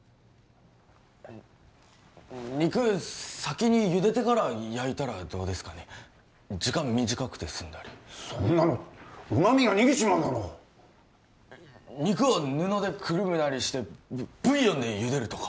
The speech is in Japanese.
肉先に茹でてから焼いたらどうですかね時間短くて済んだり・そんなの旨みが逃げちまうだろ肉を布でくるむなりしてブイヨンで茹でるとか・